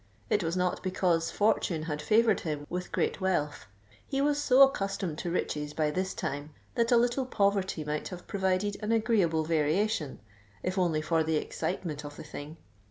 It was not because fortune had favoured him with great wealth: he was so accustomed to riches by this time that a little poverty might have proved an agreeable variation, if only for the excitement of the thing.